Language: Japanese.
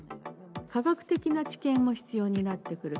科学的な知見も必要になってくる。